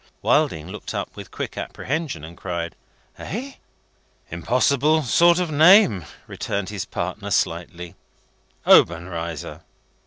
Wilding looked up in quick apprehension, and cried, "Eh?" "Impossible sort of name," returned his partner, slightly "Obenreizer.